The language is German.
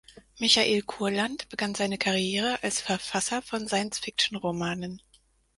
Michael Kurland begann seine Karriere als Verfasser von Science-Fiction-Romanen.